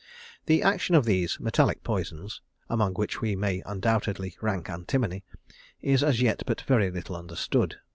The action of these metallic poisons, among which we may undoubtedly rank antimony, is as yet but very little understood.